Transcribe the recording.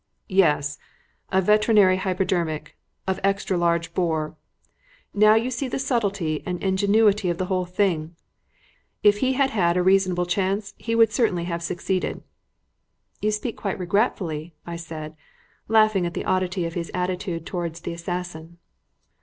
"Yes. A veterinary hypodermic, of extra large bore. Now you see the subtlety and ingenuity of the whole thing. If he had had a reasonable chance he would certainly have succeeded." "You speak quite regretfully," I said, laughing again at the oddity of his attitude towards the assassin.